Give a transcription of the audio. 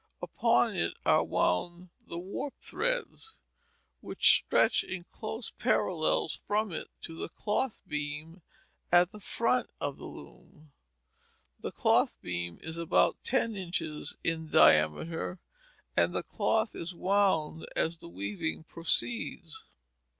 Upon it are wound the warp threads, which stretch in close parallels from it to the cloth beam at the front of the loom. The cloth beam is about ten inches in diameter, and the cloth is wound as the weaving proceeds.